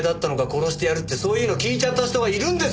殺してやる」ってそういうの聞いちゃった人がいるんですよ！